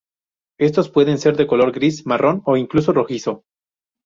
Estos pueden ser de color gris, marrón o incluso rojizo.